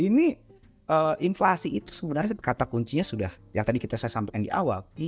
ini inflasi itu sebenarnya kata kuncinya sudah yang tadi kita saya sampaikan di awal